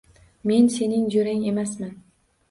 Men sening jo‘rang emasman!